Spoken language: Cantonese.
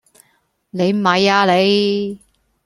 你咪呀你